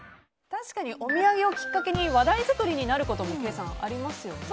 確かにお土産をきっかけに話題作りになることもケイさん、ありますよね。